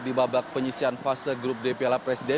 di babak penyisian fase grup d piala presiden